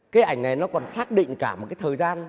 cái ảnh này nó còn xác định cả một cái thời gian